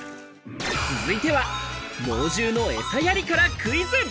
続いては猛獣のえさやりからクイズ。